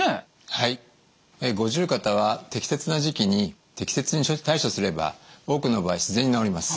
はい五十肩は適切な時期に適切に対処すれば多くの場合自然に治ります。